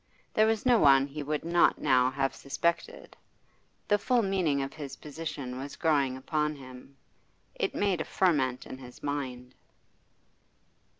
There was no one he would not now have suspected. The full meaning of his position was growing upon him; it made a ferment in his mind.